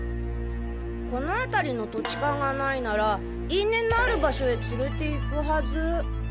この辺りの土地勘が無いなら因縁のある場所へ連れて行くはず。